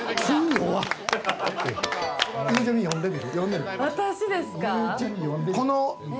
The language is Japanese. ゆうちゃみ、詠んでみる？